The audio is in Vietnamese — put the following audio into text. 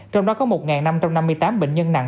trong đó có một năm trăm năm mươi tám bệnh nhân nặng